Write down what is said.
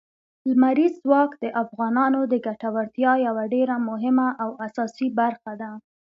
لمریز ځواک د افغانانو د ګټورتیا یوه ډېره مهمه او اساسي برخه ده.